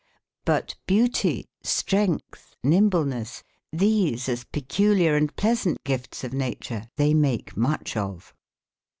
of nature But beutie, strengthe, nemblenes, these as peculiar and pleasaunt gif tes of na ture they make much of.